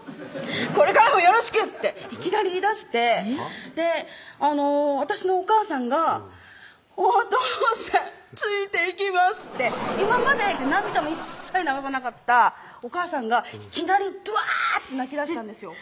「これからもよろしく！」っていきなり言いだして私のお母さんが「お父さんついていきます」って今まで涙も一切流さなかったお母さんがいきなりドワーッて泣きだしたんですよ